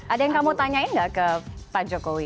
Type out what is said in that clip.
ada yang kamu tanyain nggak ke pak jokowi